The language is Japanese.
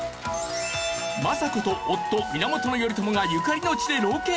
政子と夫・源頼朝がゆかりの地でロケ！？